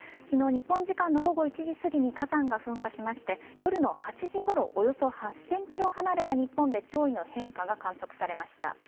昨日日本時間の午後１時すぎに火山が噴火しまして夜の８時ごろおよそ８０００ｋｍ離れた日本で潮位の変化が観測されました。